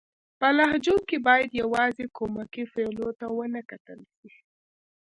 په لهجو کښي بايد يوازي کومکي فعلو ته و نه کتل سي.